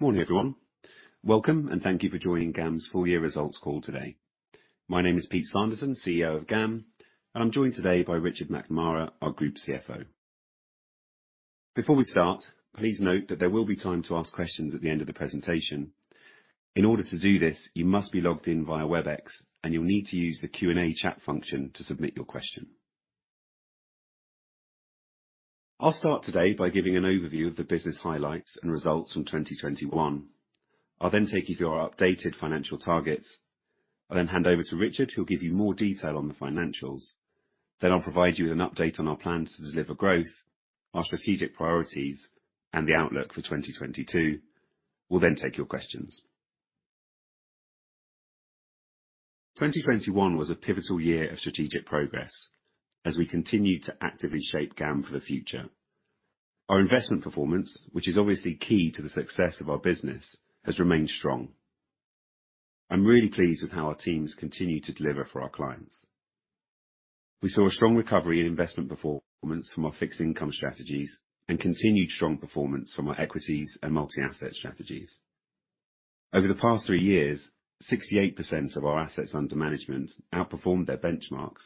Morning, everyone. Welcome, and thank you for joining GAM's full year results call today. My name is Pete Sanderson, CEO of GAM, and I'm joined today by Richard McNamara, our Group CFO. Before we start, please note that there will be time to ask questions at the end of the presentation. In order to do this, you must be logged in via Webex, and you'll need to use the Q&A chat function to submit your question. I'll start today by giving an overview of the business highlights and results from 2021. I'll then take you through our updated financial targets. I'll then hand over to Richard, who'll give you more detail on the financials. I'll provide you with an update on our plans to deliver growth, our strategic priorities, and the outlook for 2022. We'll then take your questions. 2021 was a pivotal year of strategic progress as we continued to actively shape GAM for the future. Our investment performance, which is obviously key to the success of our business, has remained strong. I'm really pleased with how our teams continue to deliver for our clients. We saw a strong recovery in investment performance from our fixed income strategies and continued strong performance from our equities and multi-asset strategies. Over the past three years, 68% of our assets under management outperformed their benchmarks,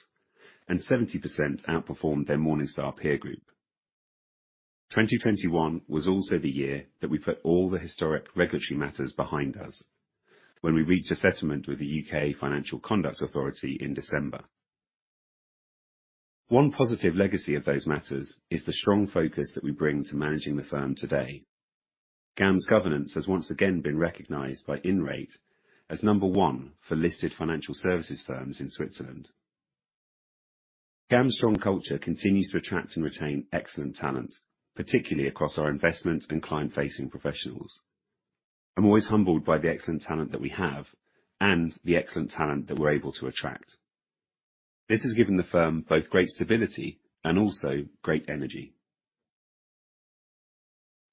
and 70% outperformed their Morningstar peer group. 2021 was also the year that we put all the historic regulatory matters behind us when we reached a settlement with the U.K. Financial Conduct Authority in December. One positive legacy of those matters is the strong focus that we bring to managing the firm today. GAM's governance has once again been recognized by Inrate as number one for listed financial services firms in Switzerland. GAM's strong culture continues to attract and retain excellent talent, particularly across our investment and client-facing professionals. I'm always humbled by the excellent talent that we have and the excellent talent that we're able to attract. This has given the firm both great stability and also great energy.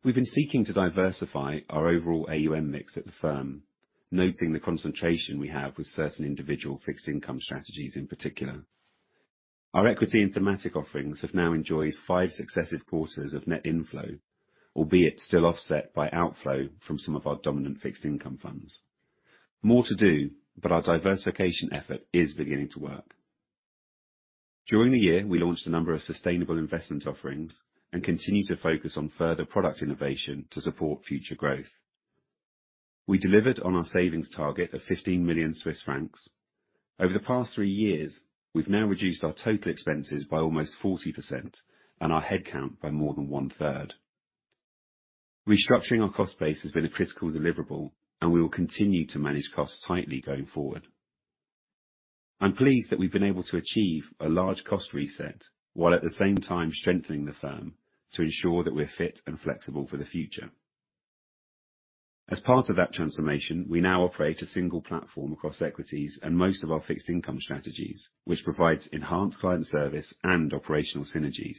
We've been seeking to diversify our overall AUM mix at the firm, noting the concentration we have with certain individual fixed income strategies in particular. Our equity and thematic offerings have now enjoyed five successive quarters of net inflow, albeit still offset by outflow from some of our dominant fixed income funds. More to do, but our diversification effort is beginning to work. During the year, we launched a number of sustainable investment offerings and continue to focus on further product innovation to support future growth. We delivered on our savings target of 15 million Swiss francs. Over the past three years, we've now reduced our total expenses by almost 40% and our head count by more than 1/3. Restructuring our cost base has been a critical deliverable, and we will continue to manage costs tightly going forward. I'm pleased that we've been able to achieve a large cost reset while at the same time strengthening the firm to ensure that we're fit and flexible for the future. As part of that transformation, we now operate a single platform across equities and most of our fixed income strategies, which provides enhanced client service and operational synergies.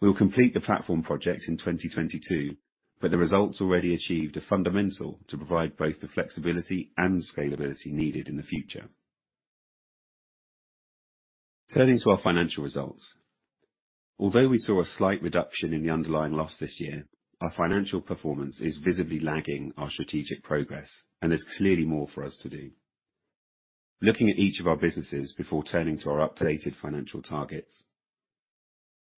We'll complete the platform project in 2022, but the results already achieved are fundamental to provide both the flexibility and scalability needed in the future. Turning to our financial results. Although we saw a slight reduction in the underlying loss this year, our financial performance is visibly lagging our strategic progress, and there's clearly more for us to do. Looking at each of our businesses before turning to our updated financial targets.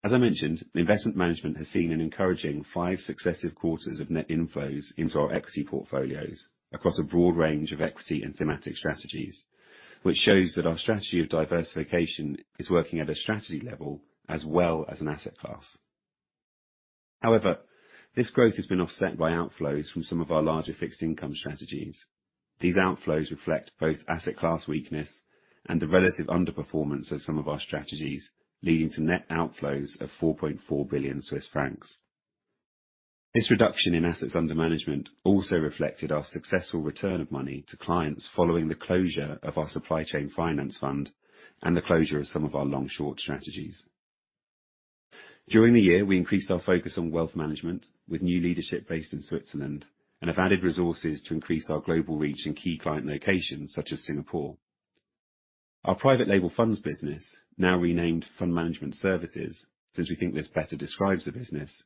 As I mentioned, investment management has seen an encouraging five successive quarters of net inflows into our equity portfolios across a broad range of equity and thematic strategies, which shows that our strategy of diversification is working at a strategy level as well as an asset class. However, this growth has been offset by outflows from some of our larger fixed income strategies. These outflows reflect both asset class weakness and the relative underperformance of some of our strategies, leading to net outflows of 4.4 billion Swiss francs. This reduction in assets under management also reflected our successful return of money to clients following the closure of our supply chain finance fund and the closure of some of our long-short strategies. During the year, we increased our focus on wealth management with new leadership based in Switzerland and have added resources to increase our global reach in key client locations such as Singapore. Our private label funds business, now renamed fund management services, since we think this better describes the business,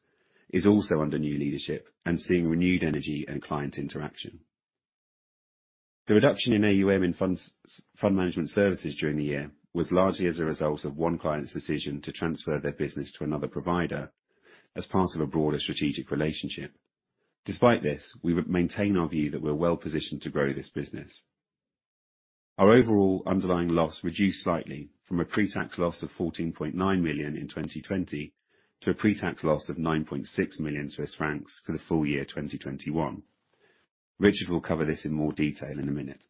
is also under new leadership and seeing renewed energy and client interaction. The reduction in AUM in fund management services during the year was largely as a result of one client's decision to transfer their business to another provider as part of a broader strategic relationship. Despite this, we would maintain our view that we're well-positioned to grow this business. Our overall underlying loss reduced slightly from a pre-tax loss of 14.9 million in 2020 to a pre-tax loss of 9.6 million Swiss francs for the full year 2021. Richard will cover this in more detail in a minute.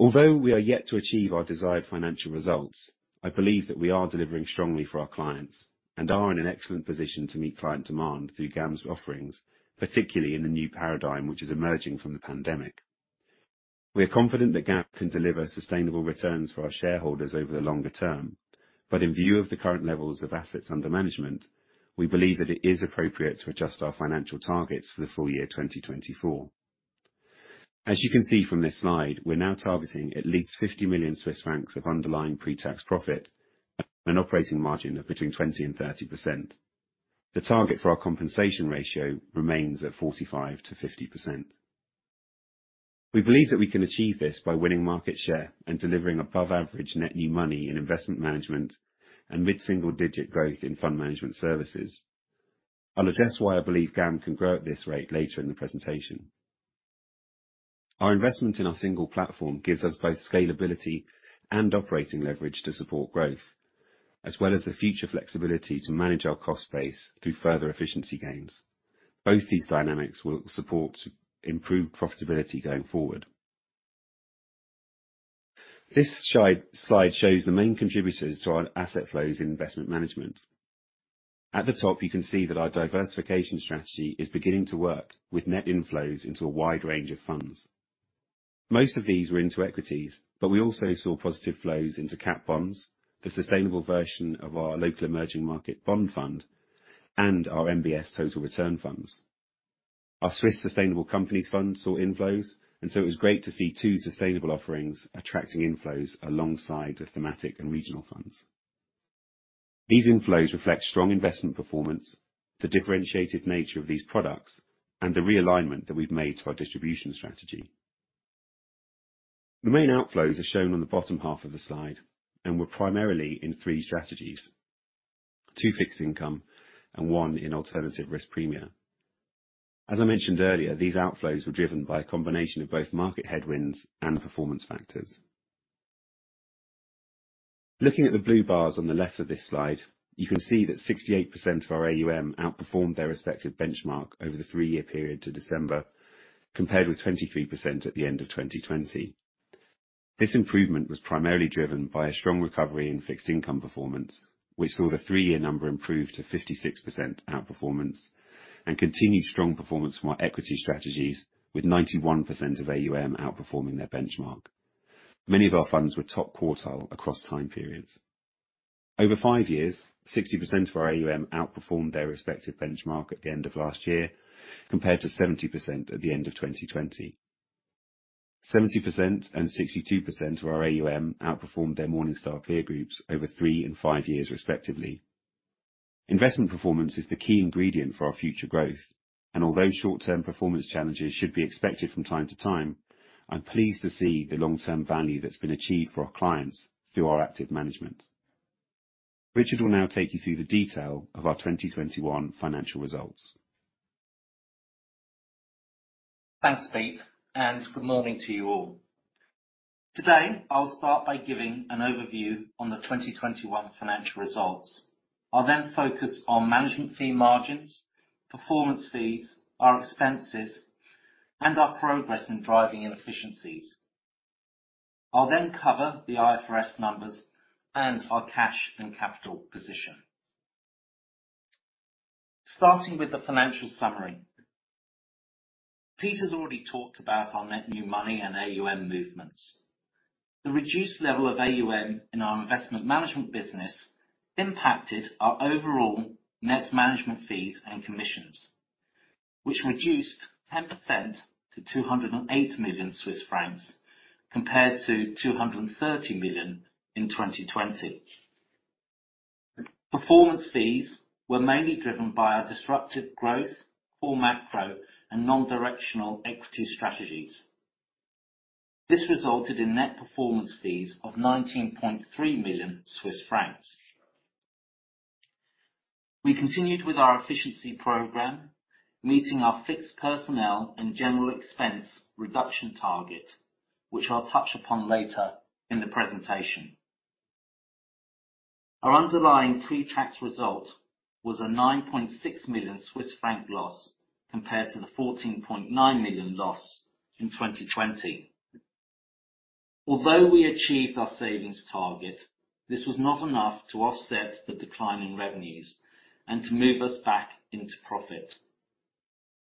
Although we are yet to achieve our desired financial results, I believe that we are delivering strongly for our clients and are in an excellent position to meet client demand through GAM's offerings, particularly in the new paradigm which is emerging from the pandemic. We are confident that GAM can deliver sustainable returns for our shareholders over the longer term, but in view of the current levels of assets under management, we believe that it is appropriate to adjust our financial targets for the full year 2024. As you can see from this slide, we're now targeting at least 50 million Swiss francs of underlying pre-tax profit and an operating margin of between 20%-30%. The target for our compensation ratio remains at 45%-50%. We believe that we can achieve this by winning market share and delivering above average net new money in investment management and mid-single digit growth in fund management services. I'll address why I believe GAM can grow at this rate later in the presentation. Our investment in our single platform gives us both scalability and operating leverage to support growth, as well as the future flexibility to manage our cost base through further efficiency gains. Both these dynamics will support improved profitability going forward. This slide shows the main contributors to our asset flows in investment management. At the top, you can see that our diversification strategy is beginning to work with net inflows into a wide range of funds. Most of these were into equities, but we also saw positive flows into cat bonds, the sustainable version of our local emerging market bond fund, and our MBS Total Return funds. Our Swiss Sustainable Companies fund saw inflows, and so it was great to see two sustainable offerings attracting inflows alongside the thematic and regional funds. These inflows reflect strong investment performance, the differentiated nature of these products, and the realignment that we've made to our distribution strategy. The main outflows are shown on the bottom half of the slide, and were primarily in three strategies: two fixed income and one in alternative risk premia. As I mentioned earlier, these outflows were driven by a combination of both market headwinds and performance factors. Looking at the blue bars on the left of this slide, you can see that 68% of our AUM outperformed their respective benchmark over the three-year period to December, compared with 23% at the end of 2020. This improvement was primarily driven by a strong recovery in fixed income performance, which saw the three-year number improve to 56% outperformance and continued strong performance from our equity strategies with 91% of AUM outperforming their benchmark. Many of our funds were top quartile across time periods. Over five years, 60% of our AUM outperformed their respective benchmark at the end of last year, compared to 70% at the end of 2020. 70% and 62% of our AUM outperformed their Morningstar peer groups over three and five years respectively. Investment performance is the key ingredient for our future growth, and although short-term performance challenges should be expected from time to time, I'm pleased to see the long-term value that's been achieved for our clients through our active management. Richard will now take you through the detail of our 2021 financial results. Thanks, Pete, and good morning to you all. Today, I'll start by giving an overview on the 2021 financial results. I'll then focus on management fee margins, performance fees, our expenses, and our progress in driving inefficiencies. I'll then cover the IFRS numbers and our cash and capital position. Starting with the financial summary. Pete has already talked about our net new money and AUM movements. The reduced level of AUM in our investment management business impacted our overall net management fees and commissions, which reduced 10% to 208 million Swiss francs compared to 230 million in 2020. Performance fees were mainly driven by our Disruptive Growth, Core Macro, and non-directional equity strategies. This resulted in net performance fees of 19.3 million Swiss francs. We continued with our efficiency program, meeting our fixed personnel and general expense reduction target, which I'll touch upon later in the presentation. Our underlying pre-tax result was a 9.6 million Swiss franc loss, compared to the 14.9 million loss in 2020. Although we achieved our savings target, this was not enough to offset the declining revenues and to move us back into profit.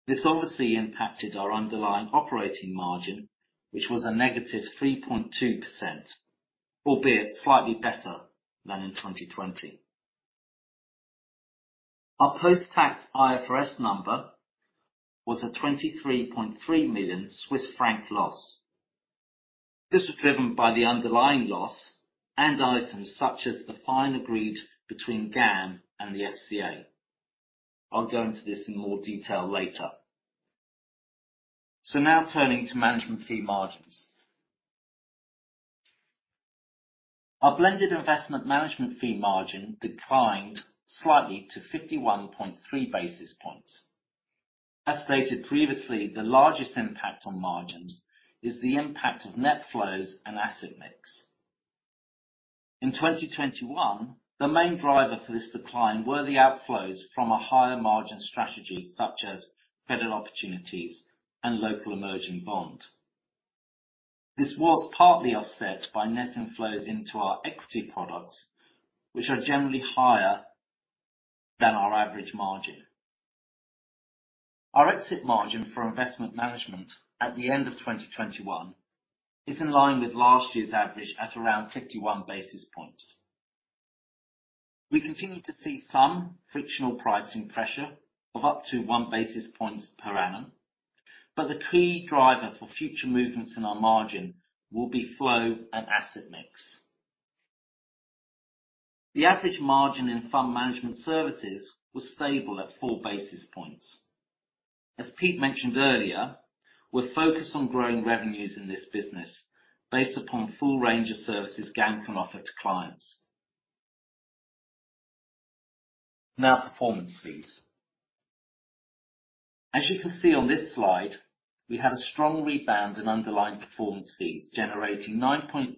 This obviously impacted our underlying operating margin, which was a -3.2%, albeit slightly better than in 2020. Our post-tax IFRS number was a 23.3 million Swiss franc loss. This was driven by the underlying loss and items such as the fine agreed between GAM and the FCA. I'll go into this in more detail later. Now turning to management fee margins. Our blended investment management fee margin declined slightly to 51.3 basis points. As stated previously, the largest impact on margins is the impact of net flows and asset mix. In 2021, the main driver for this decline were the outflows from a higher margin strategy such as Credit Opportunities and Local Emerging Bond. This was partly offset by net inflows into our equity products, which are generally higher than our average margin. Our exit margin for investment management at the end of 2021 is in line with last year's average at around 51 basis points. We continue to see some frictional pricing pressure of up to 1 basis points per annum. The key driver for future movements in our margin will be flow and asset mix. The average margin in fund management services was stable at 4 basis points. As Pete mentioned earlier, we're focused on growing revenues in this business based upon full range of services GAM can offer to clients. Now performance fees. As you can see on this slide, we had a strong rebound in underlying performance fees, generating 19.3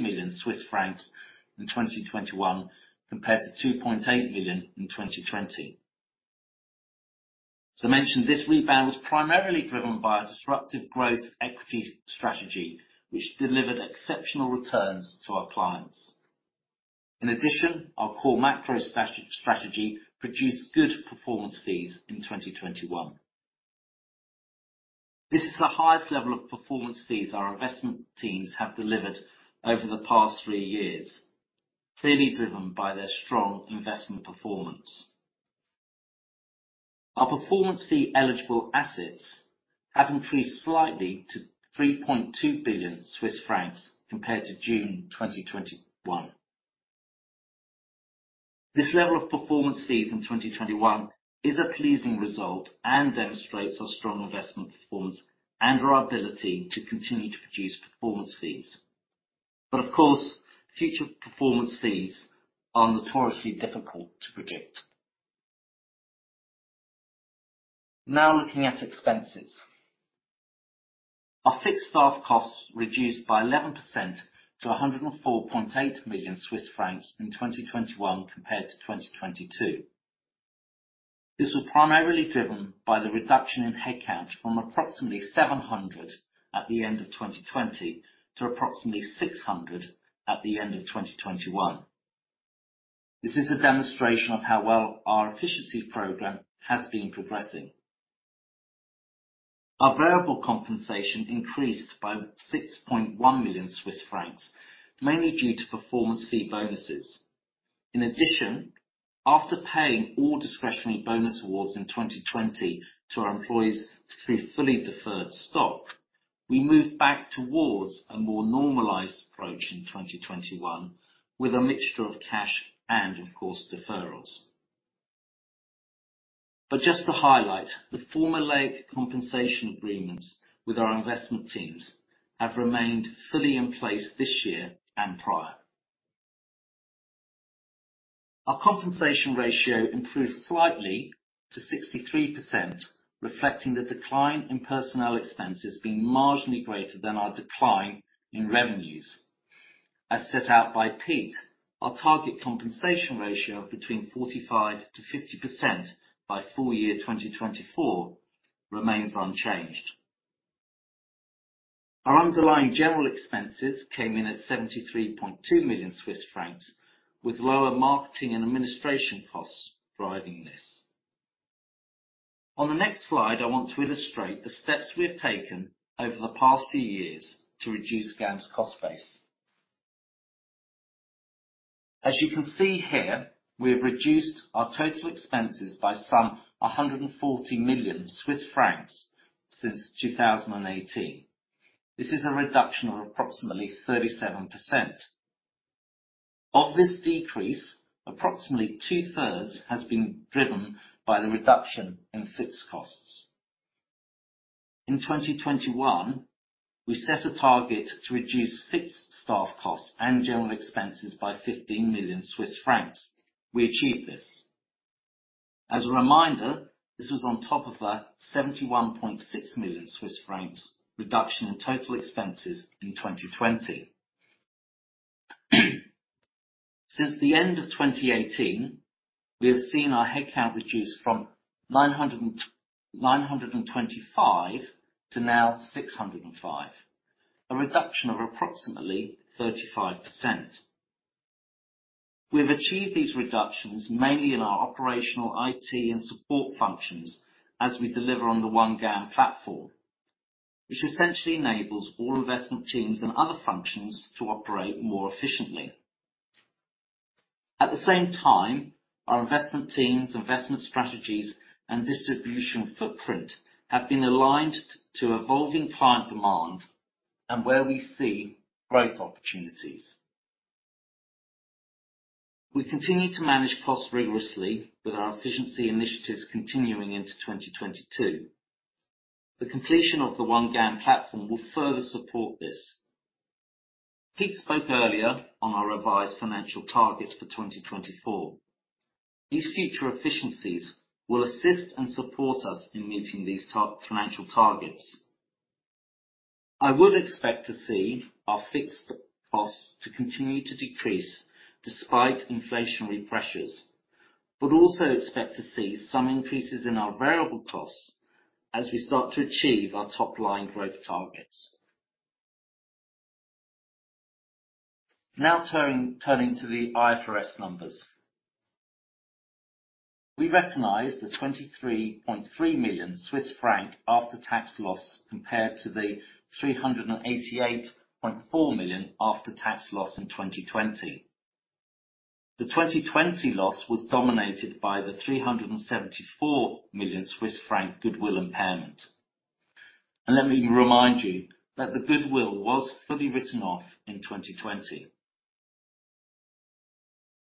million Swiss francs in 2021 compared to 2.8 million in 2020. As I mentioned, this rebound was primarily driven by a Disruptive Growth equity strategy, which delivered exceptional returns to our clients. In addition, our Core Macro strategy produced good performance fees in 2021. This is the highest level of performance fees our investment teams have delivered over the past three years, clearly driven by their strong investment performance. Our performance fee eligible assets have increased slightly to 3.2 billion Swiss francs compared to June 2021. This level of performance fees in 2021 is a pleasing result and demonstrates our strong investment performance and our ability to continue to produce performance fees. Of course, future performance fees are notoriously difficult to predict. Now looking at expenses. Our fixed staff costs reduced by 11% to 104.8 million Swiss francs in 2021 compared to 2022. This was primarily driven by the reduction in headcount from approximately 700 at the end of 2020 to approximately 600 at the end of 2021. This is a demonstration of how well our efficiency program has been progressing. Our variable compensation increased by 6.1 million Swiss francs, mainly due to performance fee bonuses. In addition, after paying all discretionary bonus awards in 2020 to our employees through fully deferred stock, we moved back towards a more normalized approach in 2021 with a mixture of cash and of course, deferrals. Just to highlight, the formulaic compensation agreements with our investment teams have remained fully in place this year and prior. Our compensation ratio improved slightly to 63%, reflecting the decline in personnel expenses being marginally greater than our decline in revenues. As set out by Pete, our target compensation ratio of 45%-50% by full year 2024 remains unchanged. Our underlying general expenses came in at 73.2 million Swiss francs, with lower marketing and administration costs driving this. On the next slide, I want to illustrate the steps we have taken over the past few years to reduce GAM's cost base. As you can see here, we have reduced our total expenses by some 140 million Swiss francs since 2018. This is a reduction of approximately 37%. Of this decrease, approximately 2/3 has been driven by the reduction in fixed costs. In 2021, we set a target to reduce fixed staff costs and general expenses by 15 million Swiss francs. We achieved this. As a reminder, this was on top of a 71.6 million Swiss francs reduction in total expenses in 2020. Since the end of 2018, we have seen our headcount reduce from 925 to now 605, a reduction of approximately 35%. We have achieved these reductions mainly in our operational IT and support functions as we deliver on the One GAM platform, which essentially enables all investment teams and other functions to operate more efficiently. At the same time, our investment teams, investment strategies, and distribution footprint have been aligned to evolving client demand and where we see growth opportunities. We continue to manage costs rigorously with our efficiency initiatives continuing into 2022. The completion of the One GAM platform will further support this. Pete spoke earlier on our revised financial targets for 2024. These future efficiencies will assist and support us in meeting these financial targets. I would expect to see our fixed costs to continue to decrease despite inflationary pressures, but also expect to see some increases in our variable costs as we start to achieve our top-line growth targets. Now turning to the IFRS numbers. We recognized the 23.3 million Swiss franc after-tax loss compared to the 388.4 million after-tax loss in 2020. The 2020 loss was dominated by the 374 million Swiss franc goodwill impairment. Let me remind you that the goodwill was fully written off in 2020.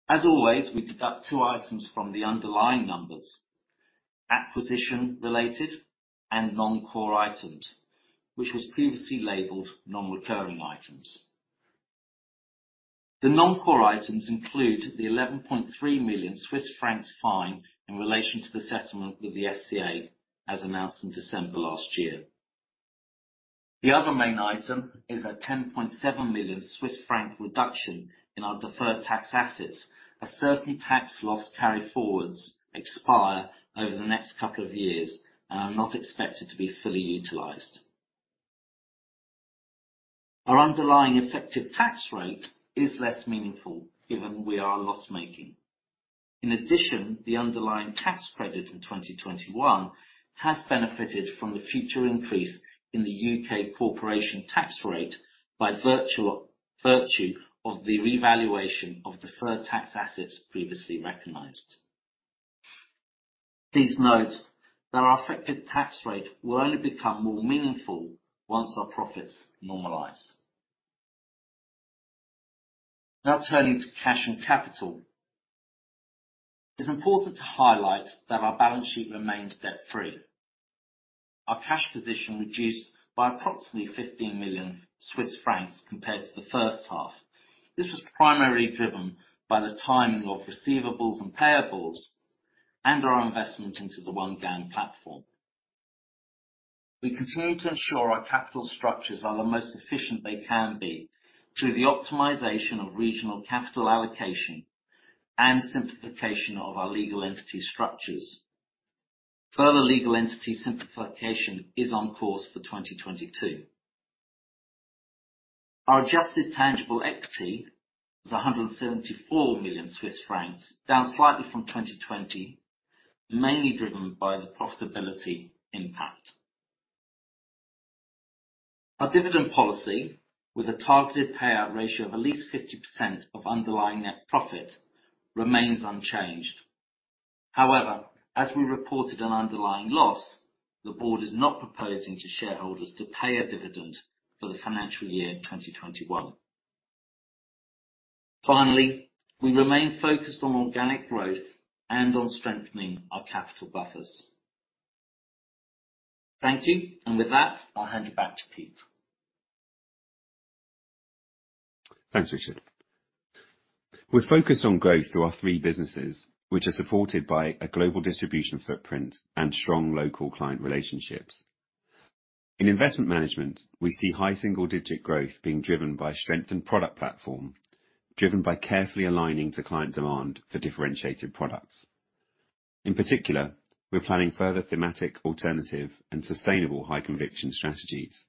As always, we deduct two items from the underlying numbers, acquisition-related and non-core items, which was previously labeled non-recurring items. The non-core items include the 11.3 million Swiss francs fine in relation to the settlement with the FCA, as announced in December last year. The other main item is a 10.7 million Swiss franc reduction in our deferred tax assets as certain tax loss carryforwards expire over the next couple of years and are not expected to be fully utilized. Our underlying effective tax rate is less meaningful, given we are loss-making. In addition, the underlying tax credit in 2021 has benefited from the future increase in the U.K. corporation tax rate by virtue of the revaluation of deferred tax assets previously recognized. Please note that our effective tax rate will only become more meaningful once our profits normalize. Now turning to cash and capital. It's important to highlight that our balance sheet remains debt-free. Our cash position reduced by approximately 15 million Swiss francs compared to the first half. This was primarily driven by the timing of receivables and payables and our investment into the One GAM platform. We continue to ensure our capital structures are the most efficient they can be through the optimization of regional capital allocation and simplification of our legal entity structures. Further legal entity simplification is on course for 2022. Our adjusted tangible equity was 174 million Swiss francs, down slightly from 2020, mainly driven by the profitability impact. Our dividend policy with a targeted payout ratio of at least 50% of underlying net profit remains unchanged. However, as we reported an underlying loss, the board is not proposing to shareholders to pay a dividend for the financial year 2021. Finally, we remain focused on organic growth and on strengthening our capital buffers. Thank you. With that, I'll hand it back to Pete. Thanks, Richard. We're focused on growth through our three businesses, which are supported by a global distribution footprint and strong local client relationships. In investment management, we see high single-digit growth being driven by strengthened product platform, driven by carefully aligning to client demand for differentiated products. In particular, we're planning further thematic, alternative, and sustainable high-conviction strategies.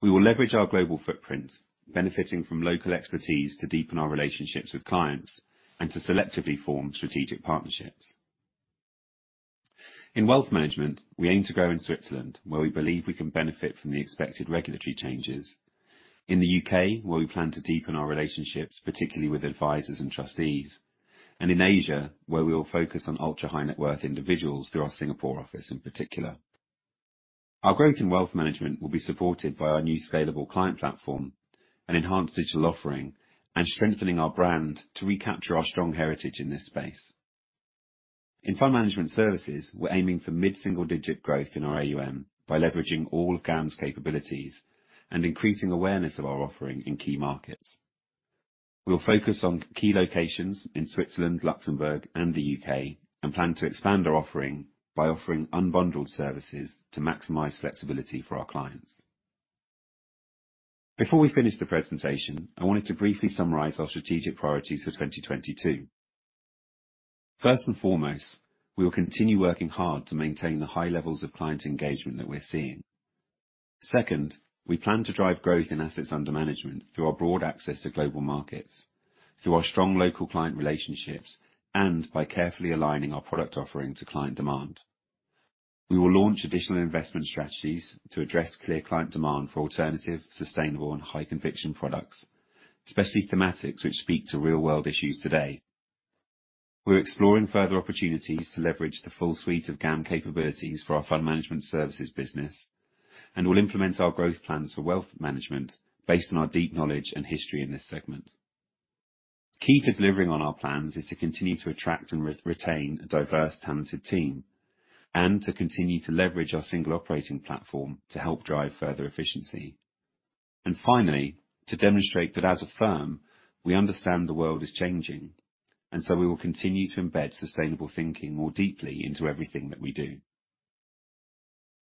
We will leverage our global footprint, benefiting from local expertise to deepen our relationships with clients and to selectively form strategic partnerships. In wealth management, we aim to grow in Switzerland, where we believe we can benefit from the expected regulatory changes, in the U.K., where we plan to deepen our relationships, particularly with advisors and trustees, and in Asia, where we will focus on ultra-high-net-worth individuals through our Singapore office in particular. Our growth in wealth management will be supported by our new scalable client platform and enhanced digital offering, and strengthening our brand to recapture our strong heritage in this space. In fund management services, we're aiming for mid-single-digit growth in our AUM by leveraging all of GAM's capabilities and increasing awareness of our offering in key markets. We'll focus on key locations in Switzerland, Luxembourg, and the U.K., and plan to expand our offering by offering unbundled services to maximize flexibility for our clients. Before we finish the presentation, I wanted to briefly summarize our strategic priorities for 2022. First and foremost, we will continue working hard to maintain the high levels of client engagement that we're seeing. Second, we plan to drive growth in assets under management through our broad access to global markets, through our strong local client relationships, and by carefully aligning our product offering to client demand. We will launch additional investment strategies to address clear client demand for alternative, sustainable, and high-conviction products, especially thematics which speak to real-world issues today. We're exploring further opportunities to leverage the full suite of GAM capabilities for our fund management services business, and we'll implement our growth plans for wealth management based on our deep knowledge and history in this segment. Key to delivering on our plans is to continue to attract and retain a diverse, talented team and to continue to leverage our single operating platform to help drive further efficiency. Finally, to demonstrate that as a firm, we understand the world is changing, and so we will continue to embed sustainable thinking more deeply into everything that we do.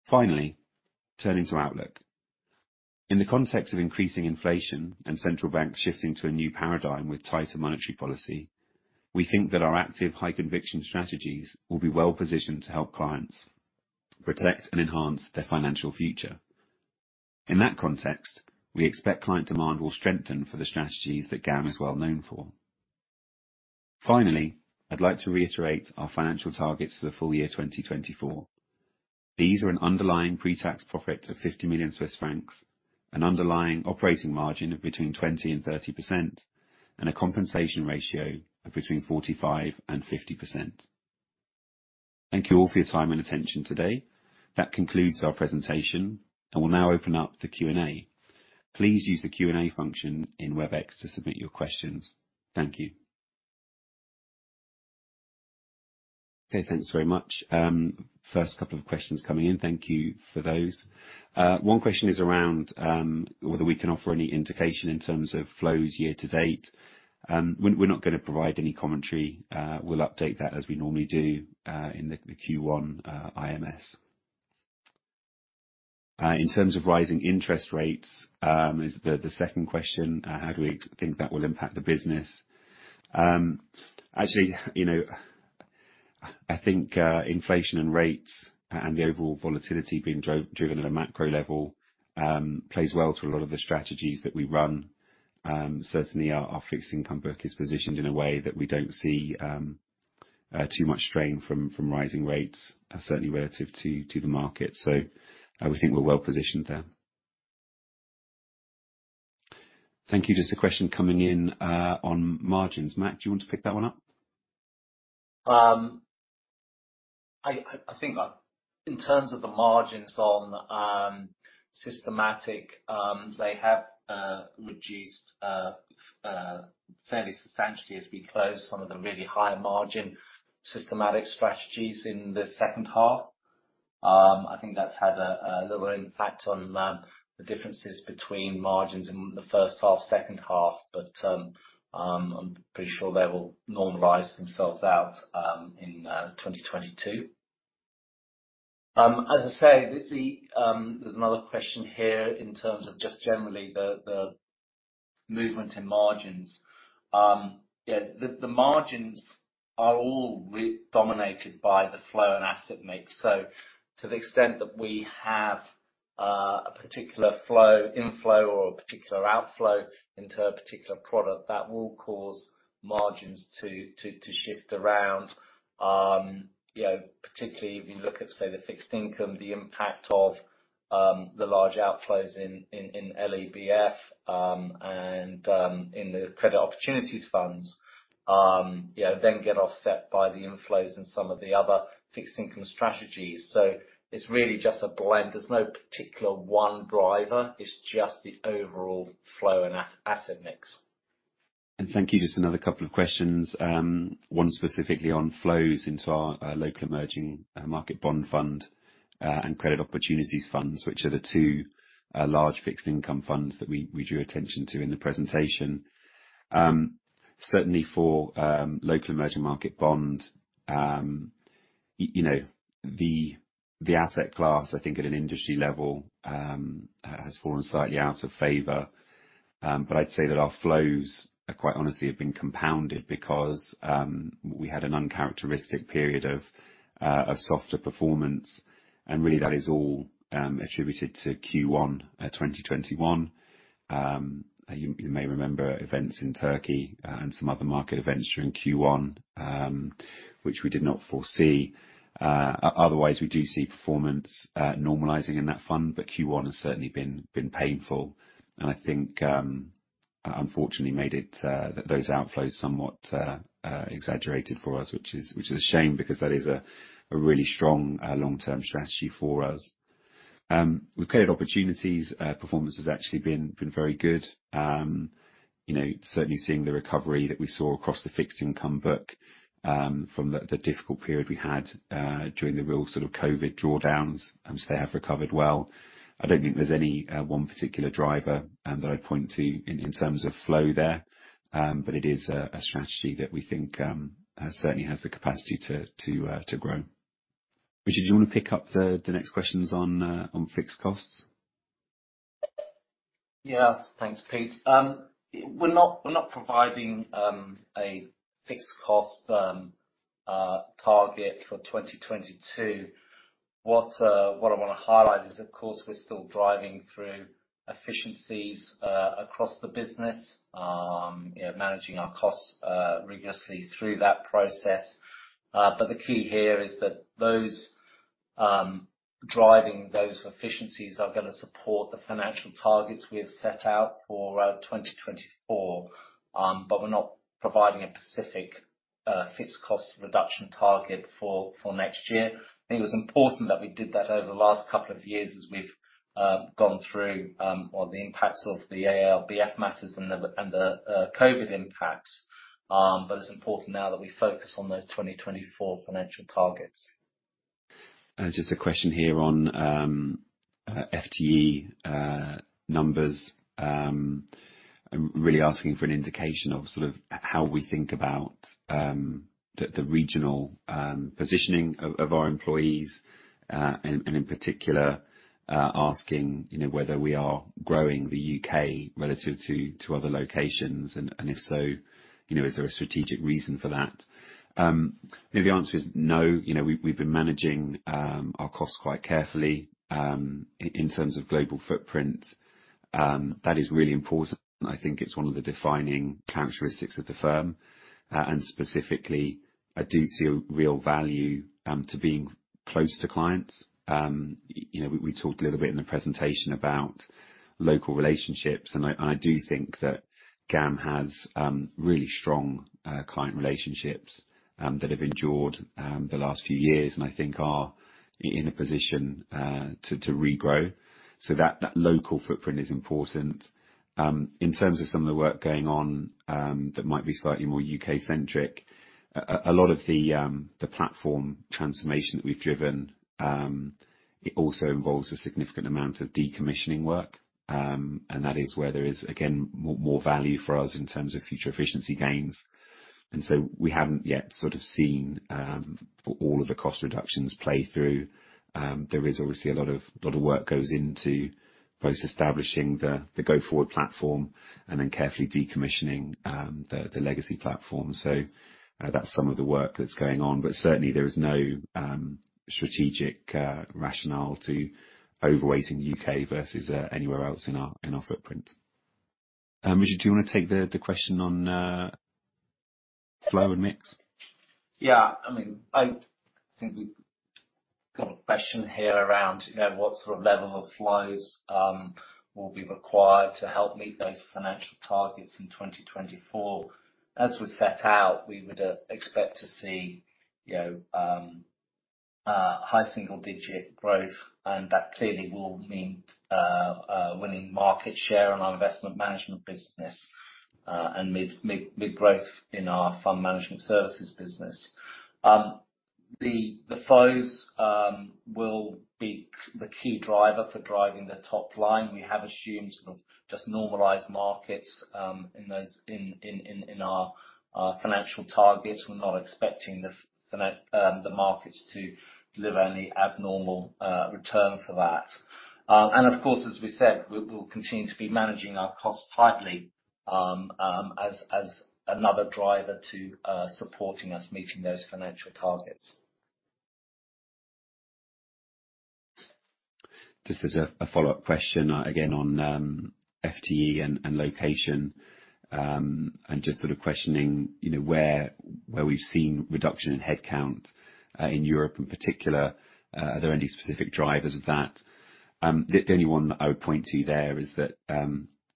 Finally, turning to outlook. In the context of increasing inflation and central banks shifting to a new paradigm with tighter monetary policy, we think that our active high-conviction strategies will be well-positioned to help clients protect and enhance their financial future. In that context, we expect client demand will strengthen for the strategies that GAM is well known for. Finally, I'd like to reiterate our financial targets for the full year 2024. These are an underlying pre-tax profit of 50 million Swiss francs, an underlying operating margin of between 20% and 30%, and a compensation ratio of between 45% and 50%. Thank you all for your time and attention today. That concludes our presentation, and we'll now open up the Q&A. Please use the Q&A function in Webex to submit your questions. Thank you. Okay, thanks very much. First couple of questions coming in. Thank you for those. One question is around whether we can offer any indication in terms of flows year to date. We're not gonna provide any commentary. We'll update that as we normally do in the Q1 IMS. In terms of rising interest rates is the second question. How do we think that will impact the business? Actually, you know, I think inflation and rates and the overall volatility being driven at a macro level plays well to a lot of the strategies that we run. Certainly our fixed income book is positioned in a way that we don't see too much strain from rising rates, certainly relative to the market. I think we're well positioned there. Thank you. Just a question coming in on margins. Matt, do you want to pick that one up? I think in terms of the margins on systematic, they have reduced fairly substantially as we close some of the really high margin systematic strategies in the second half. I think that's had a little impact on the differences between margins in the first half, second half. I'm pretty sure they will normalize themselves out in 2022. As I say, there's another question here in terms of just generally the movement in margins. Yeah, the margins are all really dominated by the flow and asset mix. To the extent that we have a particular inflow or a particular outflow into a particular product, that will cause margins to shift around. You know, particularly if you look at say, the fixed income, the impact of the large outflows in LEBF and in the Credit Opportunities funds, you know, then get offset by the inflows and some of the other fixed income strategies. It's really just a blend. There's no particular one driver. It's just the overall flow and asset mix. Thank you. Just another couple of questions. One specifically on flows into our Local Emerging Market Bond fund and Credit Opportunities funds, which are the two large fixed income funds that we drew attention to in the presentation. Certainly for Local Emerging Market Bond, you know, the asset class, I think at an industry level, has fallen slightly out of favor. I'd say that our flows quite honestly have been compounded because we had an uncharacteristic period of softer performance. Really that is all attributed to Q1 2021. You may remember events in Turkey and some other market events during Q1, which we did not foresee. Otherwise, we do see performance normalizing in that fund, but Q1 has certainly been painful. I think, unfortunately made it those outflows somewhat exaggerated for us, which is a shame because that is a really strong long-term strategy for us. With Credit Opportunities, performance has actually been very good. You know, certainly seeing the recovery that we saw across the fixed income book, from the difficult period we had during the real sort of COVID drawdowns, so they have recovered well. I don't think there's any one particular driver that I'd point to in terms of flow there. But it is a strategy that we think certainly has the capacity to grow. Richard, do you wanna pick up the next questions on fixed costs? Yeah. Thanks, Pete. We're not providing a fixed cost target for 2022. What I wanna highlight is, of course, we're still driving through efficiencies across the business, you know, managing our costs rigorously through that process. The key here is that those driving those efficiencies are gonna support the financial targets we have set out for 2024. We're not providing a specific fixed cost reduction target for next year. I think it was important that we did that over the last couple of years as we've gone through on the impacts of the ARBF matters and the COVID impacts. It's important now that we focus on those 2024 financial targets. Just a question here on FTE numbers. I'm really asking for an indication of sort of how we think about the regional positioning of our employees, and in particular, asking, you know, whether we are growing the U.K. relative to other locations, and if so, you know, is there a strategic reason for that? I think the answer is no. You know, we've been managing our costs quite carefully in terms of global footprint. That is really important, and I think it's one of the defining characteristics of the firm. Specifically, I do see a real value to being close to clients. You know, we talked a little bit in the presentation about local relationships, and I do think that GAM has really strong client relationships that have endured the last few years and I think are in a position to regrow, so that local footprint is important. In terms of some of the work going on that might be slightly more U.K.-centric, a lot of the platform transformation that we've driven also involves a significant amount of decommissioning work, and that is where there is again more value for us in terms of future efficiency gains. We haven't yet sort of seen all of the cost reductions play through. There is obviously a lot of lot of work goes into both establishing the go-forward platform and then carefully decommissioning the legacy platform. That's some of the work that's going on, but certainly there is no strategic rationale to overweight in the U.K. versus anywhere else in our footprint. Richard, do you wanna take the question on flow and mix? Yeah. I mean, I think we've got a question here around, you know, what sort of level of flows will be required to help meet those financial targets in 2024. As we set out, we would expect to see, you know, high single-digit growth, and that clearly will mean winning market share on our investment management business, and mid growth in our fund management services business. The flows will be the key driver for driving the top line. We have assumed sort of just normalized markets in our financial targets. We're not expecting the markets to deliver any abnormal return for that. Of course, as we said, we'll continue to be managing our costs tightly, as another driver to supporting us meeting those financial targets. Just as a follow-up question, again on FTE and location, and just sort of questioning, you know, where we've seen reduction in headcount in Europe in particular, are there any specific drivers of that? The only one that I would point to there is that,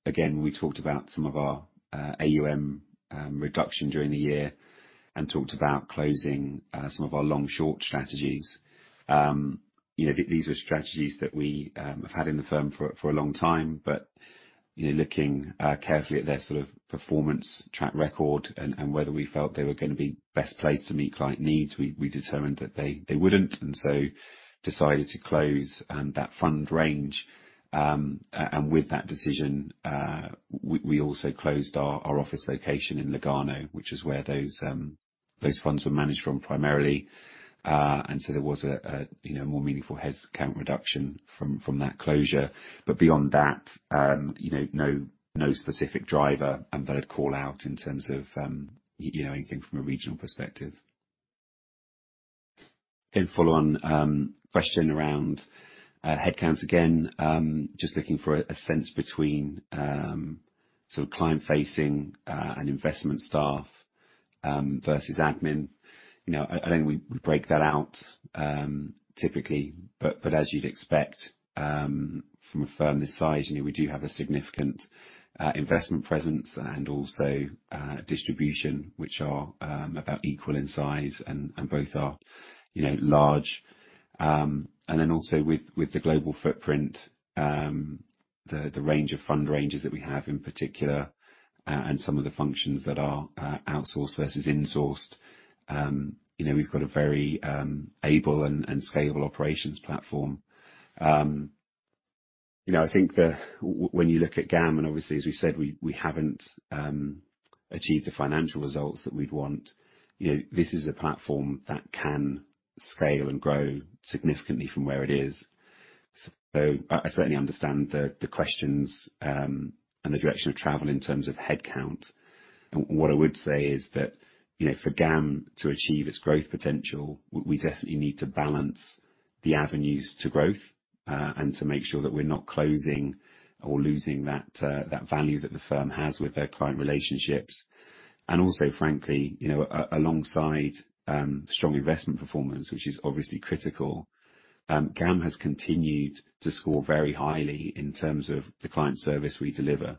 again, we talked about some of our AUM reduction during the year and talked about closing some of our long-short strategies. You know, these are strategies that we have had in the firm for a long time, but you know, looking carefully at their sort of performance track record and whether we felt they were gonna be best placed to meet client needs, we determined that they wouldn't, and so decided to close that fund range. With that decision, we also closed our office location in Lugano, which is where those funds were managed from primarily. There was, you know, a more meaningful headcount reduction from that closure. Beyond that, you know, no specific driver that I'd call out in terms of, you know, anything from a regional perspective. Follow on question around headcount again, just looking for a sense between sort of client-facing and investment staff versus admin. You know, I think we break that out typically, but as you'd expect, from a firm this size, you know, we do have a significant investment presence and also distribution, which are about equal in size and both are, you know, large. Also with the global footprint, the range of fund ranges that we have in particular, and some of the functions that are outsourced versus insourced, you know, we've got a very able and scalable operations platform. You know, I think when you look at GAM, and obviously, as we said, we haven't achieved the financial results that we'd want, you know, this is a platform that can scale and grow significantly from where it is. I certainly understand the questions and the direction of travel in terms of headcount. What I would say is that, you know, for GAM to achieve its growth potential, we definitely need to balance the avenues to growth, and to make sure that we're not closing or losing that value that the firm has with their client relationships. Also, frankly, you know, alongside strong investment performance, which is obviously critical, GAM has continued to score very highly in terms of the client service we deliver,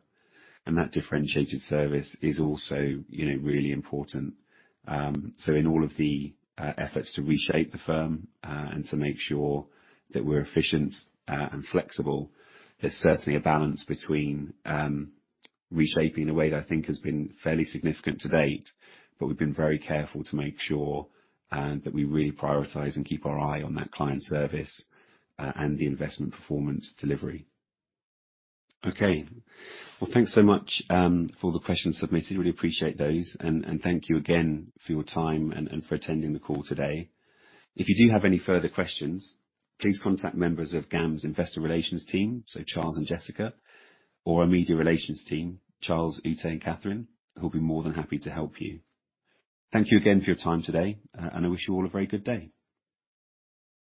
and that differentiated service is also, you know, really important. In all of the efforts to reshape the firm, and to make sure that we're efficient, and flexible, there's certainly a balance between reshaping in a way that I think has been fairly significant to date, but we've been very careful to make sure that we really prioritize and keep our eye on that client service, and the investment performance delivery. Okay. Well, thanks so much for the questions submitted. Really appreciate those. Thank you again for your time and for attending the call today. If you do have any further questions, please contact members of GAM's investor relations team, so Charles and Jessica or our media relations team, Charles, Ute, and Kathryn, who'll be more than happy to help you. Thank you again for your time today, and I wish you all a very good day.